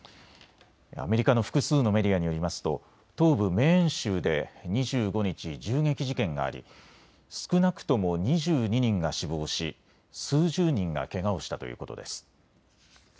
アメリカの複数のメディアによりますと東部メーン州で２５日、銃撃事件があり、少なくとも２２人が死亡し、数十人がけがをしたということです。